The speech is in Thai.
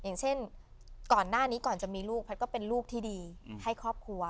อย่างเช่นก่อนหน้านี้ก่อนจะมีลูกแพทย์ก็เป็นลูกที่ดีให้ครอบครัว